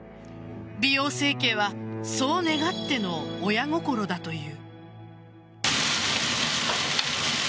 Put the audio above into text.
美容整形はそう願っての親心だという。